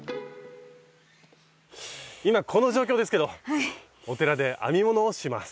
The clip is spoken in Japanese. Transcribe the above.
今この状況ですけどお寺で編み物をします。